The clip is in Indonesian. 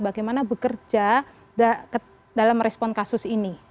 bagaimana bekerja dalam respon kasus ini